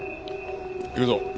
行くぞ。